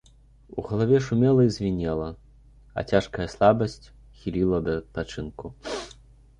У галаве шумела і звінела, а цяжкая слабасць хіліла да адпачынку.